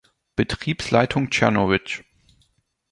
Betriebsleitung Czernowitz.